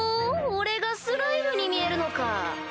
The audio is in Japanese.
俺がスライムに見えるのか。